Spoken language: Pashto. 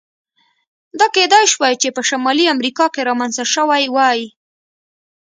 دا کېدای شوای چې په شمالي امریکا کې رامنځته شوی وای.